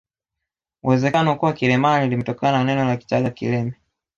Uwezekano kuwa Kilemani limetokana na neno la Kichaga kileme